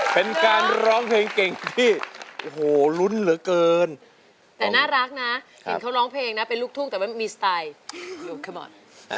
เป็นการร้องเพลงเก่งที่โอ้โหลุ้นเหลือเกินแต่น่ารักนะเห็นเขาร้องเพลงนะเป็นลูกทุ่งแต่ว่ามีสไตล์หลุดขึ้นมา